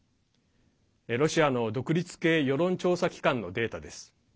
ロシアの独立系世論調査機関のデータです。